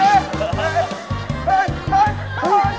ออกสักทีหน่อย